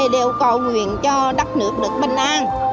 đều cầu nguyện cho đất nước được bình an